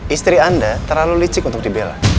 istri anda terlalu licik untuk dibela